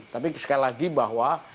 tapi sekali lagi bahwa